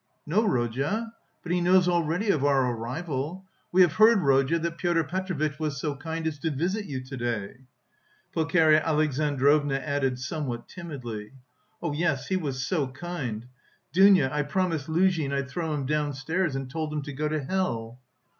"No, Rodya, but he knows already of our arrival. We have heard, Rodya, that Pyotr Petrovitch was so kind as to visit you today," Pulcheria Alexandrovna added somewhat timidly. "Yes... he was so kind... Dounia, I promised Luzhin I'd throw him downstairs and told him to go to hell...."